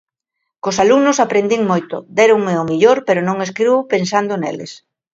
Cos alumnos aprendín moito, déronme o mellor, pero non escribo pensando neles.